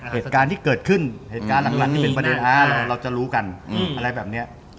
เหตุการณ์ที่เกิดขึ้นเหตุการณ์หลังที่เป็นประเด็นเราจะรู้กันอะไรแบบนี้